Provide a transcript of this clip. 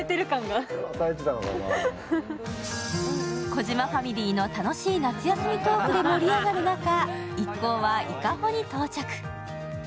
児嶋ファミリーの夏休みトークで盛り上がる中一行は伊香保に到着。